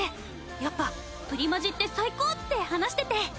やっぱプリマジって最高！って話してて。